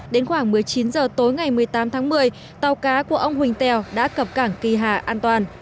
đến khoảng một mươi chín h tối ngày một mươi tám tháng một mươi tàu cá của ông huỳnh tèo đã cập cảng kỳ hà an toàn